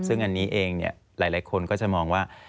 ซึ่งอันนี้เองหลายคนก็จะมองว่า